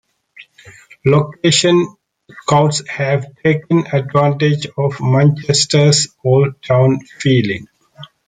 Location scouts have taken advantage of Manchester's "old town" feeling.